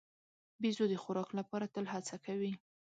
بیزو د خوراک لپاره تل هڅه کوي.